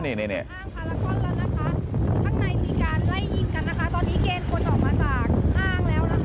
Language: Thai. อย่างร้านเจ้าชายของเราก็เปิดพร้อมให้บริการอยู่บริเวณชั้นจริง